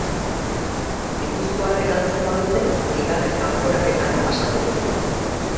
Gipuzkoarrek galtzen badute bigarren kanporaketara pasatuko dira.